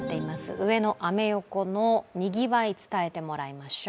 上野・アメ横のにぎわい、伝えてもらいましょう。